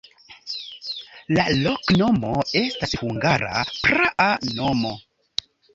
La loknomo estas hungara praa nomo.